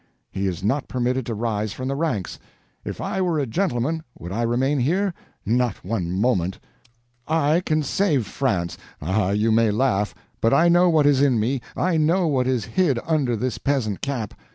He is not permitted to rise from the ranks. If I were a gentleman would I remain here? Not one moment. I can save France—ah, you may laugh, but I know what is in me, I know what is hid under this peasant cap.